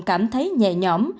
cảm thấy nhẹ nhõm